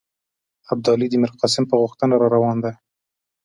ابدالي د میرقاسم په غوښتنه را روان دی.